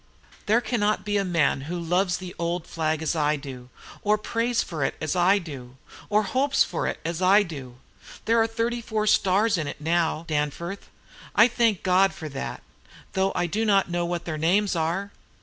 There cannot be a man who loves the old flag as I do, or prays for it as I do, or hopes for it as I do. There are thirty four stars in it now, Danforth. I thank God for that, though I do not know what their names are.